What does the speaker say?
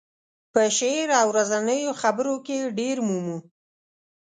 په شعر او ورځنیو خبرو کې یې ډېر مومو.